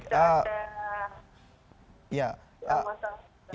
tidak ada masalah